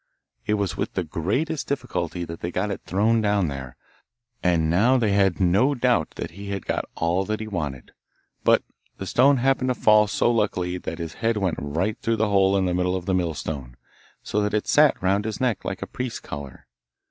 It was with the greatest difficulty that they got it thrown down there, and now they had no doubt that he had got all that he wanted. But the stone happened to fall so luckily that his head went right through the hole in the middle of the mill stone, so that it sat round his neck like a priest's collar.